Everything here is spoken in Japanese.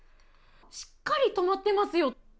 しっかり止まってますよ。